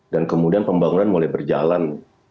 dan kemudian pembangunan mulai berjalan